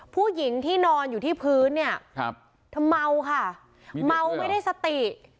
ผู้หญิงที่นอนอยู่ที่พื้นเนี่ยครับเธอเมาค่ะเมาไม่ได้สติ